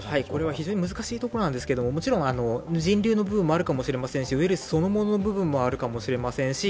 これは非常に難しいところなんですけどもちろん人流の部分もあるかもしれませんし、ウイルスそのものの部分もあるかもしれません。